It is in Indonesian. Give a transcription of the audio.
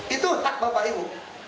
itu hak bapak ibu